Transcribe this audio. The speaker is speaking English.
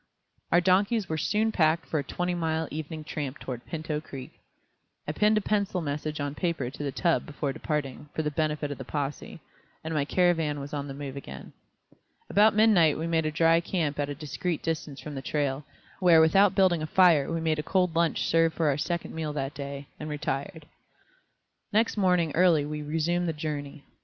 Our donkeys were soon packed for a twenty mile evening tramp toward Pinto Creek. I pinned a penciled message on paper to the tub before departing, for the benefit of the possè, and my caravan was on the move again. About midnight we made a dry camp at a discreet distance from the trail, where without building a fire we made a cold lunch serve for our second meal that day, and retired. Next morning early we resumed the journey.